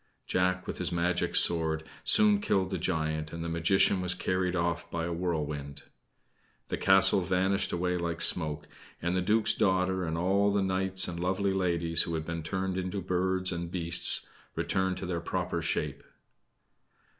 Jack, with his magic sword, soon killed the giant, and the magician was carried off by a whirlwind. The castle vanished away like smoke, and the duke's daughter and all the knights and lovely ladies who had been turned into birds and beasts returned to their proper shape.